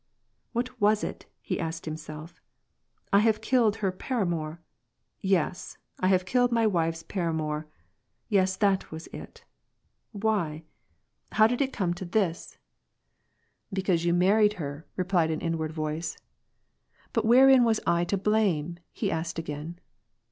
"What was it?" he asked himself. "I have killed her pnramour ! yes, I have killed my wife's paramour. Yes, that was it Why ? How did it come to this ?" 28 WAR AND PEACE. " Because you married her," replied an inward voice, " But wherein was I to blame ?" he asked again.